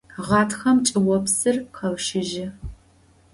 Гъатхэм чӏыопсыр къэущыжьы.